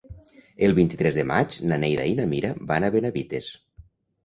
El vint-i-tres de maig na Neida i na Mira van a Benavites.